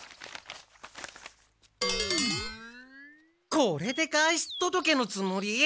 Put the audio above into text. これで外出届のつもり？